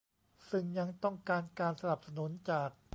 ซึ่งยังต้องการการสนับสนุนจาก